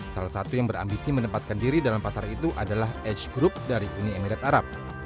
salah satu yang berambisi menempatkan diri dalam pasar itu adalah h group dari uni emirat arab